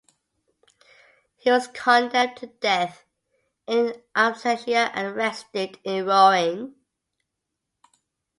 He was condemned to death "in absentia" and arrested in Rouen.